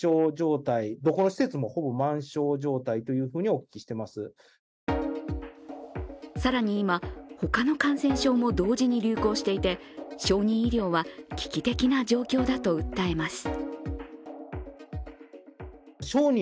専門家は更に今、他の感染症も同時に流行していて小児医療は危機的な状況だと訴えます。